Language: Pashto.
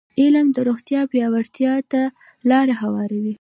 علم د روغتیا پیاوړتیا ته لاره هواروي.